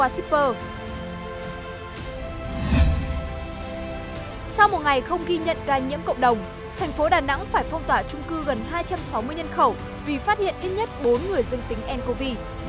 sau một ngày không ghi nhận ca nhiễm cộng đồng thành phố đà nẵng phải phong tỏa trung cư gần hai trăm sáu mươi nhân khẩu vì phát hiện ít nhất bốn người dương tính ncov